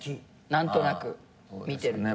何となく見てると。